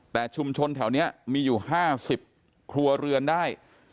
แต่ชุมชนแถวนี้มีอยู่๕๐ครัวเรือนได้